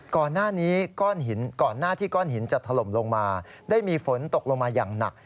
ก่อนหน้าที่ก้อนหินจะถล่มลงมาได้มีฝนตกลงมาอย่างหนัก